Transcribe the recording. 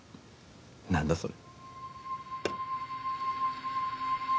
何だそれ。